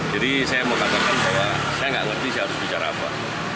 jadi saya mau katakan bahwa saya nggak ngerti saya harus bicara apa